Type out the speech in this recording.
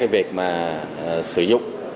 việc sử dụng